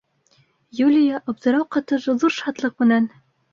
Юлия аптырау ҡатыш ҙур шатлыҡ менән: